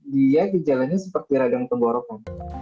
dia dijalannya seperti radang tembora